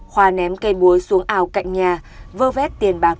khoa ném cây búa xuống ao cạnh nhà vơ vét tiền bạc